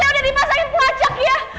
saya udah dipasangin pelacak ya